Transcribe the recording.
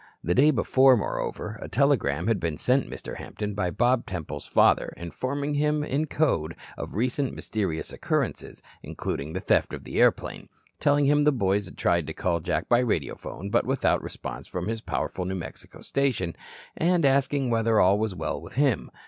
The day before, moreover, a telegram had been sent Mr. Hampton by Bob Temple's father, informing him in code of recent mysterious occurrences, including the theft of the airplane, telling him the boys had tried to call Jack by radiophone, but without response from his powerful New Mexico station, and asking whether all was well with him.